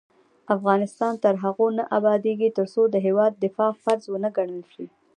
افغانستان تر هغو نه ابادیږي، ترڅو د هیواد دفاع فرض ونه ګڼل شي.